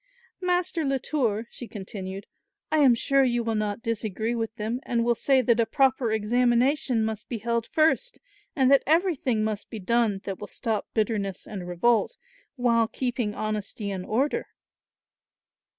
"Master Latour," she continued, "I am sure you will not disagree with them and will say that a proper examination must be held first, and that everything must be done that will stop bitterness and revolt while keeping honesty and order."